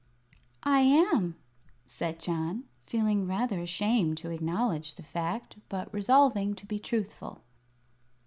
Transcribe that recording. "I am," said John, feeling rather ashamed to acknowledge the fact, but resolving to be truthful.